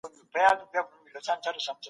آیا ادئب یوازې تخلیقي ادب رامنځته کوي؟